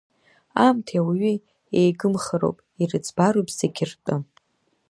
Аамҭеи ауаҩи еигымхароуп, ирыӡбароуп зегьы ртәы.